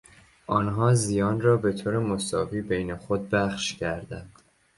آنها زیان را به طور مساوی بین خود بخش کردند.